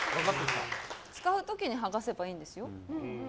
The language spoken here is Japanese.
使う時に剥がせばいいんですよ。